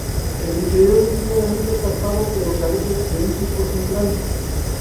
El interior es ligeramente escarpado, pero carece de un pico central.